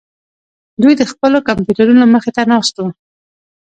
دوی د خپلو کمپیوټرونو مخې ته ناست وو